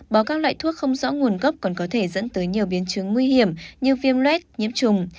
bò các loại thuốc không rõ nguồn gốc còn có thể dẫn tới nhiều biến chứng nguy hiểm như viêm luet nhiễm trùng